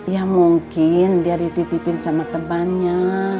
ya mungkin dia dititipin sama temannya